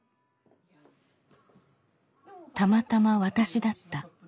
「たまたま私だった」。